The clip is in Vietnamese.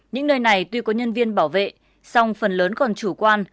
những nơi này tuy có nhân viên bảo vệ song phần lớn còn chủ quan